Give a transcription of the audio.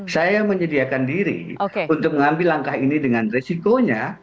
saya menyediakan diri untuk mengambil langkah ini dengan resikonya